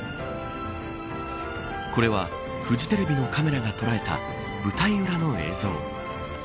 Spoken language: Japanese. これはフジテレビのカメラが捉えた舞台裏の映像。